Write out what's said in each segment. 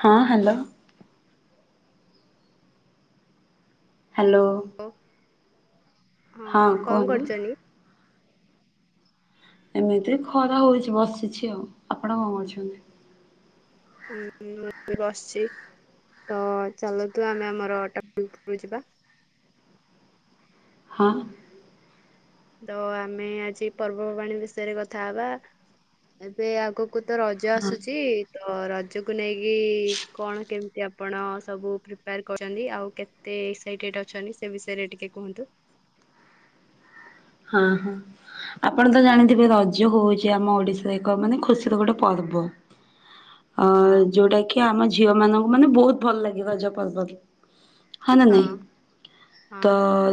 ହଁ hello. Hello. ହଁ କଣ କୁହନ୍ତୁ। କରୁଛନ୍ତି? ଏମିତି ଖରା ହଉଛି ବସିଛି ଆଉ ଆପଣ କଣ କରୁଛନ୍ତି? ହଁ ମୁଁ ବସିଛି ତ ଚାଲନ୍ତୁ ଆମେ ଆମର ଟପିକ ଉପରକୁ ଯିବା। ହଁ। ତ ଆମେ ଆଜି ପର୍ବପର୍ବାଣି ବିଷୟରେ କଥା ହବା ଏବେ ଆଗ ଆଗକୁ ତ ରଜ ଆସୁଛି। ତ ରଜକୁ ନେଇକି କଣ କେମିତି ଆପଣ ସବୁ ପ୍ରିପୋର କରୁଛନ୍ତି ଆଉ କେତେ ଏକ୍ସାଇଟେଡ ଅଛନ୍ତି ସେ ବିଷୟରେ ଟିକେ କୁହନ୍ତୁ ହଁ ହଁ ଆପଣ ତ ଜାଣିଥିବେ ରଜ ହଉଛି ଆମ ଓଡିଶାର ଏକ ମାନେ ଖୁସିର ଗୋଟେ ପର୍ବ। ଅ ହଁ ଯୋଉଟା କି ଆମ ଝିଅ ମାନଙ୍କୁ ମାନେ ବହୁତ ଭଲ ଲାଗିବ ରଜ ପର୍ବ। ହ ନା ହଁ ନହିଁ ତ ହଁ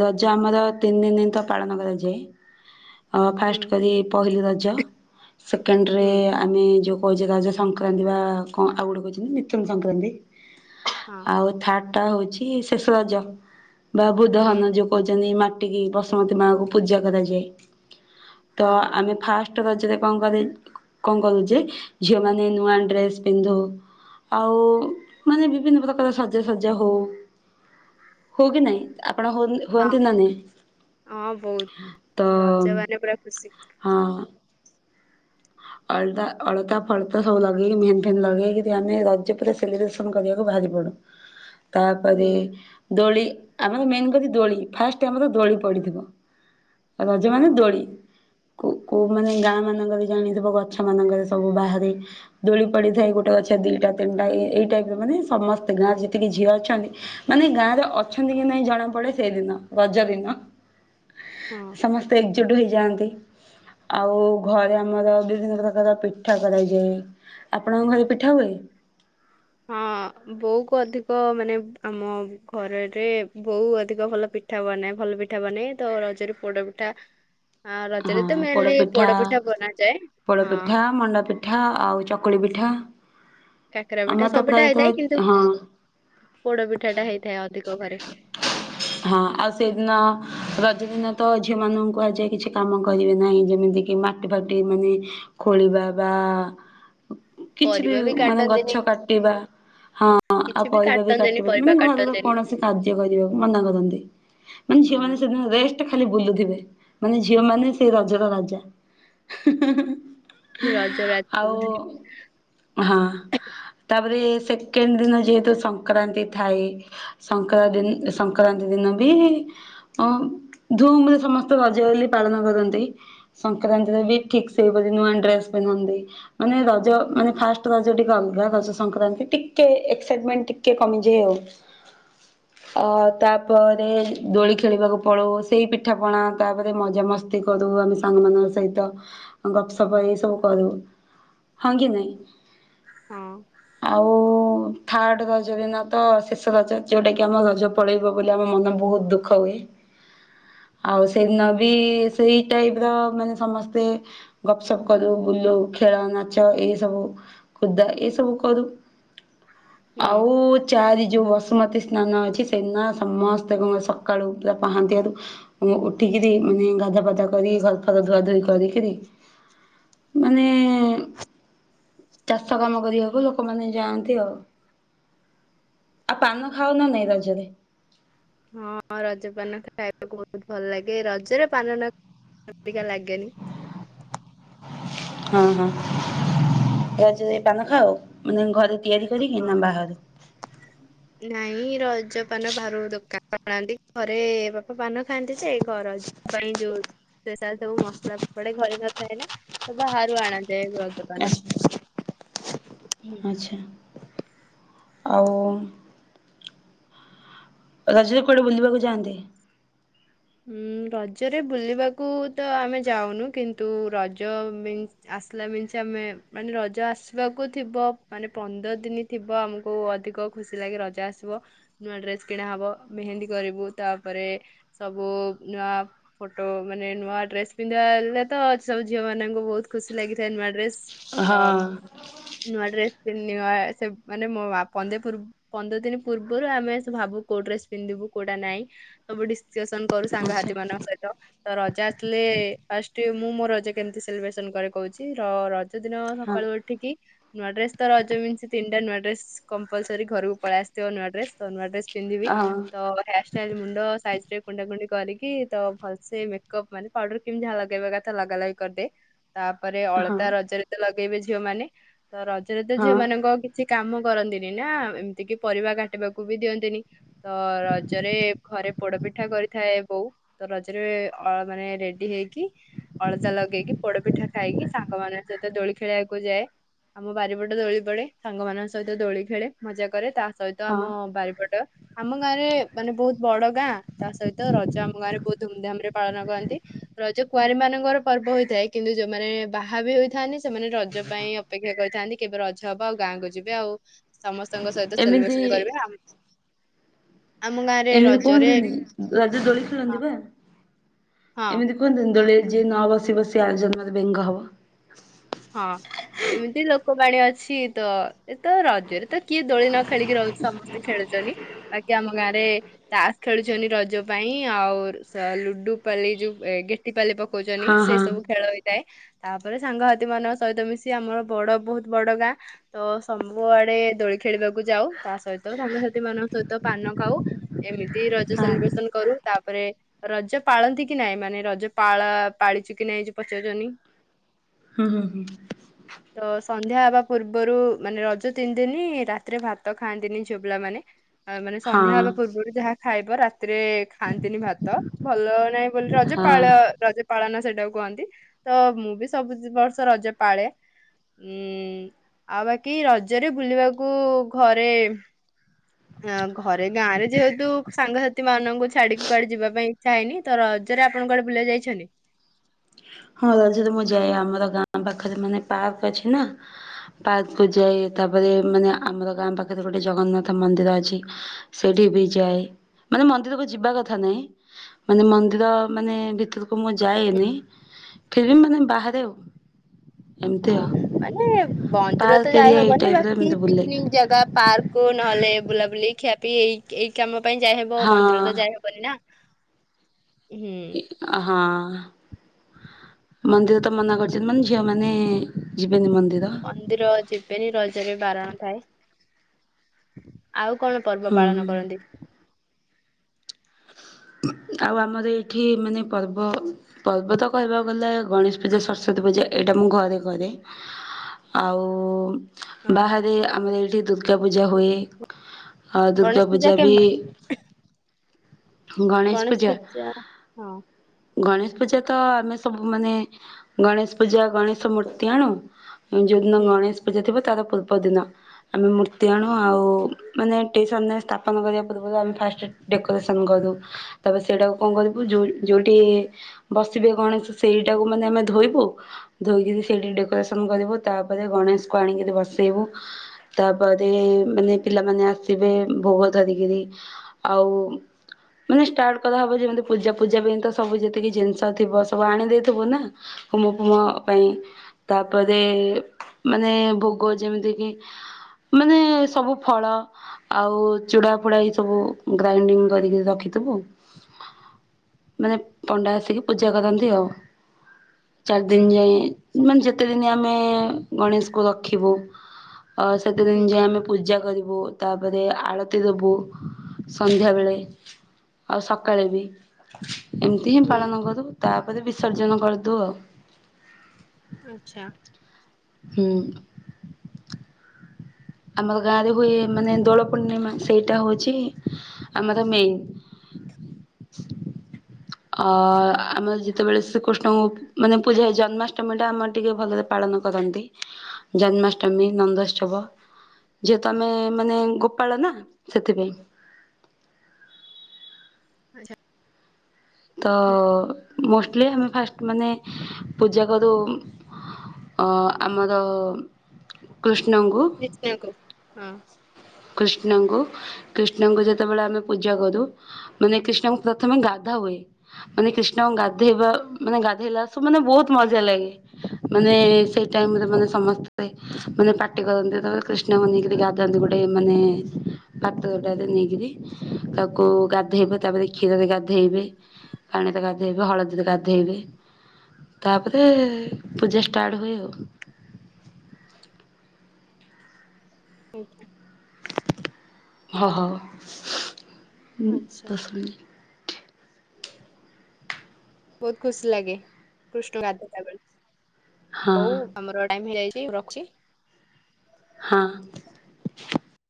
ରଜ ଆମ ତିନି ଦିନ ତ ପାଳନ କରାଯାଇଛି ଯେ ଆ ହୁଁ ଫାଷ୍ଟ କରି ପହିଲି ରଜ ସେକେଣ୍ଡରେ ହୁଁ ଆମେ ଯୋଗ କହୁଛ କ ସଂକ୍ରାନ୍ତି ବା କଣ ଆଉ ଗୋଟେ କହୁଛନ୍ତି ନିତୁନ ସଂକ୍ରାନ୍ତି ହଁ ଆଉ ଥାର୍ଡ ସେଟା ହଉଛି ଶେଷ ରଜ ବା ବୁଧ ହ ହୁଁ ଯେଖ କହିଛନ୍ତିି ମ କଟିକି ବସୁମତୀ ମା କଙ୍କୁ ପୂଜଗଦ ଯେ ତ ହଁ ହଁ ଆମେ ଫାଷ୍ଟ ଣ କଣ କରୁ ଯେ ଝିଅମାନେ ନୂଆ ଡ୍ରେସ୍ ପିନ୍ଧୁ ଆଉ ମାନେ ବିଭିନ୍ନ ପ୍ରକାର ଶଜାସଜା ହଉ ହଉ କି ନାଇଁ ଆପଣ ହଅ ହଁ ହୁଅନ୍ତି ନ ନାଇ ହଁ ବହୁତ ତ ରଜ ମାନେ ପୁରା ଖୁସି ହଁ ଅଳତାା ଅଳତା ଫଳତା ସବୁ ଲଗେଇକି ମେହନ ଫେନ୍ ଲଗେଇ ଆମେ ର୍ୟ ପୁରା ସେଲିବ୍ରେସନ କରିବାକୁ ବାହାରି ପଡୁ ହୁଁ ତାପରେ ଧୋଳି ଆମେର ମେନ୍ କ ଦୋଳି ଫାଷ୍ଟ ଆମର ଦୋଳି ପଡିଥିବ। ଆଉ ରଜ ମ ହଁ ଦୋଡ଼ି କୋଉ କୋଉମାନେ ଗାଁ ମାନଙ୍କ ବି ଜାଣି ଗଛ ମାନଙ୍କରେ ସବୁ ବାହାରେ ଦୋଳି ପଡିଥାଏ ଗୋଟେ ଗଛ ଦିଟା ତିନିଟା ଏଇ ଟାଇପ ମାନେ ସମସ୍ତେ ଗାଁରେ ଯେତିକି ଝିଅ ଅଛନ୍ତି ମାନେ ଗାଁରେ ଅଛନ୍ତି କି ନାଇଁ ଜଣା ପଡେ ସେଇଦିନ ରଜ ଦିନ ହଁ ସମସ୍ତେ କିଛଟ ହେଇଯାଆନ୍ତି ଆଉ ଘରେ ଆମର ବିଭିନ୍ନ ପ୍ରକାର ପିଠା କରାଇଯାଏ ଆପଣଙ୍କ ଘରେ ପିଠା ହୁଏ। ହଁ ବୋଉ କୁ ଅଧିକ ମାନେ ଆମ ଘରରେ ବୋଉ ଅଧିକ ଭଲ ପିଠା ବନାଏ ଭଲ ପିଠା ବନଏ ତ ରଜରେ ପୋଡା ପିଠା ଆ ରଜରେ ହଁ ତ ମେନଲି ପୋଡପିଠା ପୋଡ ପିଠା ବନାଯାଏ ହଁ ପୋଡପିଠା ମଣ୍ଡା ପିଠା ଆଉ ଚକୁଳି ପିଠା କାକରା ପିଠା ଆମର ତ ସବୁଟା ହେଇଥାଏ କିନ୍ତୁ ପ୍ରାୟତଃ ହଁ ପୋଡ ପିଠା ଟା ହେଇଥାଏ ଅଧିକ ଘରେ ହଁ ଆଉ ସେଇଦିନ ରଜ ଦିନ ତ ଝିଅ ମାନଙ୍କୁ ଆହାଯାଏ କିଛି କାମ କରିବେ ନାହିଁ ଯେମିତି କି ମାଟି ଫାଟି ମାନେ ଖୋଳିବା ବା କିଛି ବି ପରିବା ମାନେ କାଟନ୍ତିନି ଗଛ କାଟିବା ହଁ ଆଉ କିଛି ପରିବା ବି କାଟନ୍ତିନି କାଟିବା ମାନେ ପରିବା ଘରର କାଟନ୍ତିନି କୌଣସି କାର୍ଯ୍ୟ କରିବାକୁ ମନା କରନ୍ତି ମାନେ ଝିଅ ମାନ ହୁଁ ସେଦିନ ରେଷ୍ଟ ଖାଲି ବୁଲୁଥିବେ ମାନେ ଝିଅ ମାନେ ସେ ରାଜର ରାଜା ରଜ ରାଜ ଆଉ ହଁ ତା ତାପରେ ସେକେଣ୍ଡ ଦିନ ଯେହେତୁ ସଂକ୍ରାନ୍ତି ଥାଏ ସଂକ୍ରାନ୍ତି ସଂକ୍ରକ୍ରାନ୍ତି ଦିନ ବି ଧୁମରେ ସମସ୍ତେ ରଜଲେ ପାଳନ କରନ୍ତି ସଂକ୍ରାନ୍ତିରେ ବି ଠିକ ସେପରି ନୂଆ ଡ୍ରେସ ପିନ୍ଧନ୍ତି ମାନେ ରଜ ମାନେ ଫାଷ୍ଟ ରଜ ଟିକେ ଅଲଗା ରଜ ସଂକ୍ରାନ୍ତି ଟିକେ ଏକ୍ସାଇଟମେଣ୍ଟ ଟିକେ କମିଯାଇ ଆଉ ତାପରେ ଦୋଳି ଖେଳିବାକୁ ପଡଉ ସେଇ ପିଠା ପଣା ତାପରେ ମଜ ମଜ ମସ୍ତି କରୁ ଆମେ ସାଙ୍ଗମାନଙ୍କ ସହିତ ଗପସପ ଏଇ ସବୁ କରୁ ହଁ କି ନାଇଁ ହଁ ଥାର୍ଡ଼ ରଜ ଦନା ତ ଶେଷ ରଜ ଯେଉଁଟାକି ଆମ ରଜ ପଳେଇବ ବୋଲି ଆମ ମନ ବହୁତ ଦୁଃଖ ହୁଏ। ଆଉ ହୁଁ ସେଇଦିନ ସେଇ ଟାଇପ ର ମାନେ ସମସ୍ତେ ଗପ ସପ୍ କରୁ ବୁଲୁ ଖେଳ ନାଚ ଏ ସବୁ ଖୁଦା ଏ ସବୁ କରୁ। ହୁଁ ଆଉ ଚାରି ଯିବ। ବସୁମତୀ ସ୍ନାନ ଅଛି, ସେଦିନ ସମସ୍ତେ କଁ ସକାଳୁ ବା ପାହାନ୍ତିିଆରୁ ଉଠିକି ମାନେ ଗାଧୁଆ ପାଧୁଆ କରି ଘର ଫର ଧୁଆଧୁଇ କରିକିରି ମାନେ ଚାଷ କାମ କରିବାକୁ ଲୋକମାନେ ଯାଆନ୍ତି ଆଉ। ଆଉ ପାନ ଖାଅ ନା ନାଇଁ ରଜରେ? ହଁ ରଜପାନ ଖାଇବାକୁ ବହୁତ ଭଲ ଲାଗେ ରଜରେ ପାନ [unintelligible] ଲାଗେନି। ହଁ ହଁ ରଜରେ ଖାଅ ମାନେ ଘରେ ତିଆରି କରିକି ନା ବାହାରୁ? ନାଇଁ ର ଜ ପାନ ବାହାରୁ ଦୋକା ଆନ୍ତି ଘରେ ବାପା ପାନ ଖାଆନ୍ତି ଯେ ଘର ଯୋଉ ପାଇଁ ଯୋଉ ସ୍ପେସାଲ୍ ସବୁ ମସଲା ପଡେ ଘରେ ନଥାଏ ନା ତ ବାହାରୁ ଆଣନ୍ତିଏ ରଜ ପାନ। ଆଛା। ଆଉ ରଜରେ କୋଆଡେ ବୁଲିବାକୁ ଯାଆନ୍ତି? ହଁ ରଜରେ ବୁଲିବାକୁ ତ ଆମେ ଯାଉନୁ କିନ୍ତୁ ରଜ ଆସିଲା ମିନସ ଆମେ ମାନେ ରଜ ଆସିବାକୁ ଥିବ ମାନେ ପନ୍ଦର ଦିନ ଥିବ ଆମକୁ ଅଧିକ ଖୁସି ଲାଗେ ରଜ ଆସିବ ନୂଆ ଡ୍ରେସ କିଣା ହବ ମେହେନ୍ଦୀ କରିବୁ ତାପରେ ସବୁ ନୂଆ ଫଟୋ ମାନେ ନୂଆ ଡ୍ରେସ ପିନ୍ଧିବାଲେ ତ ଅ ସବୁ ଝିଅ ମାନଙ୍କୁ ବହୁତ ଖୁସି ଲାଗିଥାଏ ନୂଆ ଡ୍ରେସ। ତ ଆଚ୍ଛା ନୂଆ ଡ୍ରେସ୍ ସେ ମାନେ ମୋ ପନ୍ଦେ ପନ୍ଦର ଦିନ ପୂର୍ବରୁ ଆମେ ଆସି ଭାବୁ କୋଉ ଡ୍ରେସ ପିନ୍ଧିବୁ କୋଉଟା ନାହିଁ ସବୁ ଡି କରୁ ସାଙ୍ଗ ସାଥୀ ମାନଙ୍କ ସହିତ ତ ରଜା ଆସିଲେ ଫାର୍ଷ୍ଟ ମୁଁ ମୋ ରଜ କେମିତି ସେଲିବ୍ରେସନ କରେ କହୁଛି ରଜ ଜ ଦିନ ହଁ ସକାଳୁ ଉଠିକି ନୂଆ ଡ୍ରେସ ତ ରଜମିନି ତିନିଟା ନୁଆଡ୍ରେସ କମ୍ପଲସରି ଘରକୁ ପଳେଇ ଆସିଥିବ ନୂଆଡ୍ରେସ ତ ନୂଆଡେସ ପିନ୍ଧିବି ହଁ ତ ହେୟାରଷ୍ଟାଇଲ ମୁଣ୍ଡ ସାଇଜ ରେ କୁଣ୍ଡା କୁଣ୍ଡି କରିକି ତ ଭଲସେ ମେକ୍ ମାନେ ପାଡର କେମତି ଯାହା ଲଗେଇବା କଥା ଲଗା ଲାଗି କରିଦେ ତାପରେ ହଁ ଅଳତା ରଜରେ ତ ପକେଇବେ ଝିଅମାନେ ତ ରଜରେ ତ ଝିଅ ହଁ। ମାନଙ୍କ କିଛି କାମ କରନ୍ତିନି ନା ଏମିତି କି ପରିବା କାଟିବାକୁ ବି ଦିଅନ୍ତିନି ତ ରଜରେ ଘରେ ପୋଡପି ପିଠା କରିଥାଏ ବୋଉ ତ ରଜରେ ମାନେ ରେଡି ହେଇକି ଅଳତା ଲଗେଇକି ପୋଡ ପିଠା ଖାଇକି ସାଙ୍ଗମାନଙ୍କ ସହିତ ଦୋଳି ଖେଳିବାକୁ ଯାଏ ଆମ ବାରିପଟେ ଦୋଳି ପଡେ ସାଙ୍ଗମାନାନଙ୍କ ସହିତ ଦୋଳି ଖେଳେ ମଜା କରେ ତା ସହିତ ଆମ ହଁ ବାରିପଟ ଆମ ଗାଁରେ ମାନେ ବହୁତ ବଡ ଗାଁ ତା ସହିତ ରଜ ଆମ ଗାଁ ରେ ବହୁତ ଧୁମଧାମ ରେ ପାଳନ କରନ୍ତି ରଜ କୁଆଁରୀ ମାନଙ୍କର ପର୍ବ ହୋଇଥାଏ କିନ୍ତୁ ଯୋଉମାନେ ବାହା ବି ହୋଇଥାନ୍ତି ସେମାନେ ରଜ ପାଇଁ ଅପେକ୍ଷା କରିଥାନ୍ତି କେବେ ରଜ ହବ ଆଉ ଗାଁକୁ ଯିବେ ଆଉ ସମ ସ୍ତ ଙ୍କ ସହିତ ଏମିତି ସେଲିବ୍ରେସନ କରିବେ ଆ ଆମ ଗାଁରେ ଏମିତି ରଜରେ କୁହନ୍ତିନି ରଜ ଦୋଳି ଖେଳନ୍ତି ବା। ହଁ ଏମିତି କୁହନ୍ତିନି ଦୋଳି ଯେ ନ ହବ ସେ ବସି ଆରଜନ୍ମ ରେ ବେଙ୍ଗ ହବ। ହଁ ଏମିତି ଲୋକବାଣୀ ଅଛି ତ ଏ ତ ରଜରେ ତ କିଏ ଦୋଳି ନ ଖେଳିକି ରହୁଛି ସମସ୍ତେ ଖେଳୁଛନ୍ତି ବାକି ଆମ ଗାଁରେ ତାସ ଖେଳୁଛନ୍ତି ରଜ ପାଇଁ ଆଉ ଲୁଡୁ ପାାଲି ଯୋଉ ଗେଟିପାଲି ପ କହୁଛନ୍ତିି ହଁ ସେ ହଁ ସବୁ ଖେଳ ହୋଇଥାଏ। ତାପରେ ସାଙ୍ଗ ମଙ୍କ ସହିତ ମିଶି ଆମର ବଡ ବହୁତ ବଡ ଗାଁ ତ ସବୁଆଡେ ଦୋଳି ଖେଳିବାକୁ ଯାଉ ତା ସହିତ ସାଙ୍ଗସଥିଥି ମାନଙ୍କ ସହିତ ପାନ ଖାଉ ଏମିତି ରଜ ହଁ ସେଲିବ୍ରେସନ କରୁ ତାପରେ ରଜ ପାଳନ୍ତି କି ନାଇଁ ମାନେ ରଜ ପାଳ ପାଳିଚୁ କି ନାଇଁ ପଚାରୁ ହୁଁ ହୁ ହୁଁ ତ ସନ୍ଧ୍ୟା ହବା ପୂର୍ବରୁ ମାନେ ରଜ ତିନିଦିନି ରାତିରେ ଭାତ ଖାଆନ୍ତିନି ଝିବଲା ମାନେ ଆ ମାନେ ହଁ ସନ୍ଧ୍ୟା ହେବା ପୂର୍ବରୁ ଯାହା ଖାଇବ ରାତିରେ ଖାଆନ୍ତିନି ଭାତ ଭଲ ନାଇଁ ବୋଲି ରଜପାଳ ହଁ। ରଜ ପାଳନ ସେଟାକୁ କହନ୍ତି ତ ମୁଁ ବି ସବୁ ବର୍ଷ ରଜ ପାଳେ ଉ ଆଉ ବାକି ରଜରେ ବୁଲିବାକୁ ଘରେ ଘରେ ଗାଁ ରେ ଯେହେତୁ ସାଙ୍ଗସାଥି ମାନଙ୍କୁ ଛାଡିକି କୁଆଡେ ଯିବା ପାଇଁ ଇଚ୍ଛା ହେଇନି ତ ରଜରେ ଆପଣଙ୍କ କୁଆଡେ ବୁଲେଇ ଯାଇଛନ୍ତି। ହଁ ରରେ ମୁଁ ଯାଏ ଆମର ଗାଁ ପାଖରେ ମାନେ ପାର୍କ ଅଛି ନା ପାର୍କକୁୁ ଯାଏ ତାପରେ ମାନେ ଆମର ଗାଁ ପାଖରେ ଗୋଟେ ଜଗନ୍ନାଥ ମନ୍ଦିର ଅଛି ସେଠି ବି ଯାଏ ମାନେ ମନ୍ଦିରକୁ ଯିବା କଥା ନହିଁ ମାନେ ମନ୍ଦିର ମାନେ ଭିତର କ ମୁଁ ଯାଏନି ଫିଲ୍ମ ମାନେ ବାହାରେ ଆଉ ହଁ ଏମିତି ଆଉ ମାନେ ମନ୍ଦିର ପାର୍କ ତ ଯାଇ ଏରିଆ ଏଇ ହବନି ଟାଇପର ବାକି ଏମିତି ବୁଲେ ପିକନିକ ଜାଗା ପାର୍କ ନହଲେ ବୁଲା ବୁଲି ଖିଆପି ଏଇଇ କାମ ପାଇଁ ଯାଇହବ ହଁ ମନ୍ଦିର ତ ଯାଇହବନି ନା ହୁଁ ହଁ ମନ୍ଦିର ତ ମନା କରି ମାନେ ଝିଅ ମାନେ ଯ ମନ୍ଦିର ଯିବେନି ରଜରେ ବାରଣ ଥାଏ। ହ ଆଉ କଣ ପର୍ବ ହୁଁ ପାଳନ କରନ୍ତି। ଆଉ ଆମର ଏଇଠି ମାନେ ପର୍ବ ପର୍ବ ତ କହିବାକୁ ଗଲେ ଗଣେଶ ପୂଜା ସରସ୍ଵତୀ ପୂଜା ଏଇଟା ମୁଁ ଘରେ କରେ ଆଉ ହଁ ବାହାରେ ଆ ଦୁର୍ଗା ପୂଜା ହଏ ଆଉ ଦୁର୍ଗା ଗଣେଶ ପୂଜା ବି କେମିତି ଗଣେଶ ପୂଜା ହଁ ଗଣେଶ ଗେଶ ପୂଜା ତ ଆମେ ସବୁ ମାନେ ଗଣେଶ ପୂଜା ଗଣେଶ ମୂର୍ତ୍ତି ଆଣୁ ଯୋଉଦିନ ହୁଁ ଗଣେଶ ପୂଜା ଥିବ ତାର ପୂର୍ବ ଦିନ ଆମେ ମୂର୍ତ୍ତି ଆଣୁ ଆଉ ମାନେ ଟିସନରେ ସ୍ଥାପନ କରିବା ପୂର୍ବରୁ ଆମେ ଫାଷ୍ଟ ଡେକୋ କରୁ ତାପରେ ସେଇଟାକୁ କଣ କରିବୁ ଯୋଉଠି ବସିବେ ଗଣେଶ ସେଇଟାକୁ ମାନେ ଆମେ ଧୋଇବୁ ଧୋଇକରି ସେଇଠି ଡେକୋରେସନ କରିବୁ ତାପରେ ଗଣେଶକୁ ଆଣିକିରି ବସେଇବୁ ତାପରେ ମାନେ ପିଲାମାନେ ଆସିବେ ଭୋଗ ଧରିକିରି ଆଉ ମାନେ ଷ୍ଟାର୍ଟ କରାହବ ଯେମିତି ପୂଜା ପୂଜା ପାଇଁ ତ ସବୁ ଯେତିକି ଜିନିଷ ଥିବ ସବୁ ଆଣିଦେଇଥିବ ନା କୁମ ଫୁମ ପାଇଁ ତାପରେ ମାନେ ଭୋଗ ଯେମିତିକି ମାନେ ସବୁ ଫଳ ଆଉ ଚୁଡ଼ା ଫୁଡା ଏ ସବୁ ଗ୍ରାଇଣ୍ଡିଙ୍ଗ କରିକି ରଖିଥିବୁ ମାନେ ପଣ୍ଡା ଆସିକି ପୂଜା କରନ୍ତି ଆଉ। ଚାରି ଆଚ୍ଛା ଦିନ ଯାଇଏ ମାନେ ଯେତେ ଦିନ ଆମେ ଗଣେଶକୁ ରଖିବୁ ଅ ସେତେ ହୁଁ ଦିନ ଯାଇଏ ଆମେ ପୂଜା କରି ବୁ ତାପରେ ଆଳତି ଦବୁ ସନ୍ଧ୍ୟାବେଳେ ଆଉ ସକାଳେ ବି ଏମିତି ହିଁ ହୁଁ ପାଳନ କରିଦବୁ। ତାପରେ ବିସର୍ଜନ କରିଦଉ ଆଉ। [inaudible] ଆଚ୍ଛା। ହୁଁ। [inaudible] ଆମର ଗାଁ ରେ ହୁଏ ମାନେ ଦୋଳ ପୂର୍ଣ୍ଣିମା ସେଇଟା ହଉଛି ଆମର ମେନ୍। [inaudible] ଅ ଆମର ଯେତେବେଳେ ଶି ଏବଂ ହୁଁ ମାନେ ପୂଜା ଜନ୍ମା ଅଷ୍ଟମୀ ଟା ଆମର ଟିକେ ଭଲରେ ପାଳନ କରନ୍ତି। ଜନ୍ମାଷ୍ଟମୀ ନନ୍ଦୋତ୍ସବ ଯେହେତୁ ଆମେ ମାନେ ଗୋପାଳ ନା ସେଥିପାଇଁ [inaudible] ଆଚ୍ଛା। ତ ମୋଷ୍ଟଲି ଆମେ ଫାଷ୍ଟ ମାନେ ପୂଜା କରୁ। ଆମର କୃଷ୍ କିଷନା କୁୁ ହଁ କୃଷ୍ଣଙ୍କୁ କୃଷ୍ଣଙ୍କୁ ଯେତେବେଳେ ଆମେ ପୂଜା କରୁ। ମାନେ କୃଷ୍ଣଙ୍କୁ ପ୍ରଥମେ ଗାଧା ହୁଏ। ମାନେ କୃଷ୍ଣଙ୍କୁ ଗାଧେଇବା ମାନେ ଗାଧେଇଲା ମାନେ ବହୁତ ହୁଁ ମଜା ହୁଁ ଲାଗେ। ମାନେ ସେଇ ଟାଇମରେ ମାନେ ସମସ୍ତେ ମାନେ ପାର୍ଟି କରନ୍ତି। ତାପରେ କୃଷ୍ଣଙ୍କୁ ନେଇକିରି ଆଚ୍ଛା ଗାାଆନ୍ତି। ଗୋଟେ ଗୋଟେ ମାନେ ଭାତ ଗଟ ନେଇକରି ତାକୁ ଗାଧେଇବେ। ତାପରେ କ୍ଷୀରରେ ଗାଧେଇବେ ପାଣିରେ ଗାଧେଇବେ ହଳଦୀରେ ଗାଧେଇବେ। ତାପରେ ପୂଜା ଷ୍ଟାର୍ଟ ହୁଏ ଆଉ। [inaudible] [unintelligible] ହଁ ହଉ। ଆଚ୍ଛା। [unintelligible] ବହୁତ ଖୁସି ଲାଗେ କୃଷ୍ଣ ଗାଧେଇଲାବେଳେ। ହଉ ଆମର ଟାଇମ ହେଇଯାଇ କି ରଖଛି। [inaudible] ହଁ। [inaudible]